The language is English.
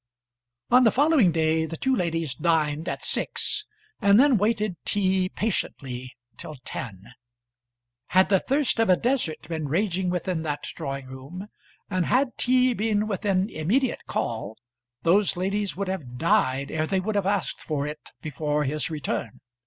On the following day the two ladies dined at six, and then waited tea patiently till ten. Had the thirst of a desert been raging within that drawing room, and had tea been within immediate call, those ladies would have died ere they would have asked for it before his return.